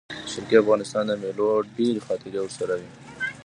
د شرقي افغانستان د مېلو ډېرې خاطرې ورسره وې.